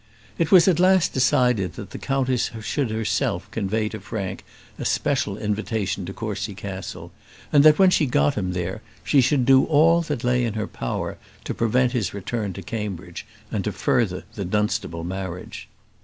It was at last decided that the countess should herself convey to Frank a special invitation to Courcy Castle, and that when she got him there, she should do all that lay in her power to prevent his return to Cambridge, and to further the Dunstable marriage.